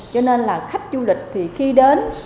cho nên là khách du lịch thì khi đến